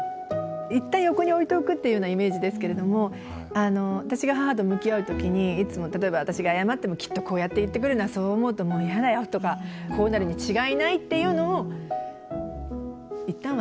一旦横に置いておくっていうようなイメージですけれども私が母と向き合う時にいつも例えば私が謝ってもきっとこうやって言ってくるなそう思うともう嫌だよとかこうなるに違いないっていうのを一旦忘れてみた。